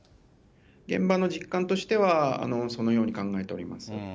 現場の実感としては、そのように考えております。